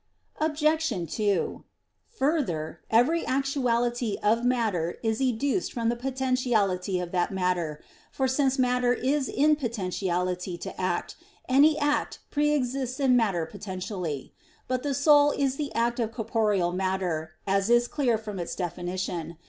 Obj. 2: Further, every actuality of matter is educed from the potentiality of that matter; for since matter is in potentiality to act, any act pre exists in matter potentially. But the soul is the act of corporeal matter, as is clear from its definition.